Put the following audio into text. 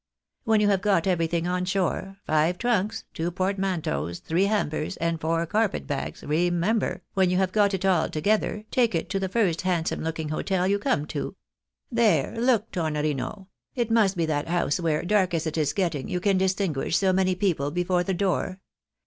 When you have got everything on shore, five trunks, two portmanteaus, three hampers, and four carpet bags, keiiembee, when you have got it all together, take it to the first handsome looking hotel you come to ; there, look, Tornorino, it must be that house where, dark as it is getting, you can distinguish so many people before the door.